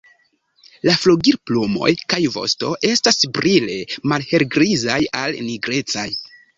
La flugilplumoj kaj vosto estas brile malhelgrizaj al nigrecaj.